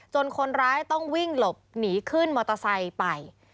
คนร้ายต้องวิ่งหลบหนีขึ้นมอเตอร์ไซค์ไป